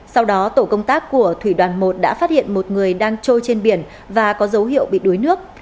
sau đó tổ công tác của thủy đoàn một đã phát hiện một người đang trôi trên biển và có dấu hiệu bị đuối nước